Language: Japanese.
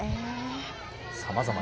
さまざまな。